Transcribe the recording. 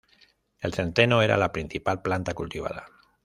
El centeno era la principal planta cultivada.